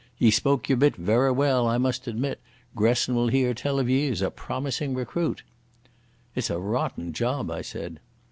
Ye spoke your bit verra well, I must admit. Gresson will hear tell of ye as a promising recruit." "It's a rotten job," I said.